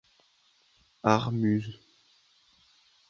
Art Mus.